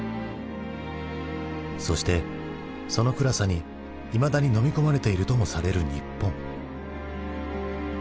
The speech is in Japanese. そしてその暗さにいまだにのみ込まれているともされる日本。